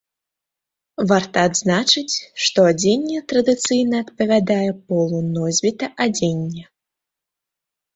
Варта адзначыць, што адзенне традыцыйна адпавядае полу носьбіта адзення.